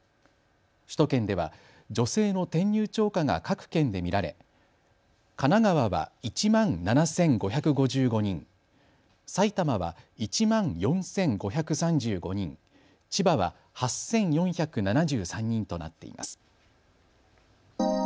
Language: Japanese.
首都圏では女性の転入超過が各県で見られ神奈川は１万７５５５人、埼玉は１万４５３５人、千葉は８４７３人となっています。